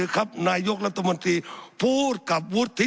สับขาหลอกกันไปสับขาหลอกกันไป